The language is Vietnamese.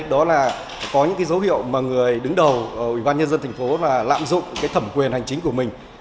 đó là có những cái dấu hiệu mà người đứng đầu ủy ban nhân dân tp là lạm dụng cái thẩm quyền hành chính của mình